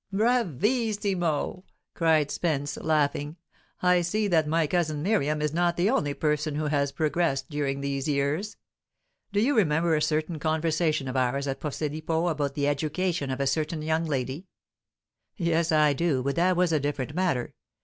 "Bravissimo!" cried Spenee, laughing. "I see that my cousin Miriam is not the only person who has progressed during these years. Do you remember a certain conversation of ours at Posillipo about the education of a certain young lady?" "Yes, I do. But that was a different matter.